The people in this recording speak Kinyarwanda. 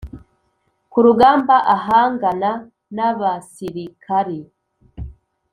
kurugamba ahangana n Abasirikari